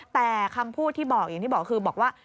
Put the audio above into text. แต่คำพูดที่บอกอย่างที่บอกคือบอกว่า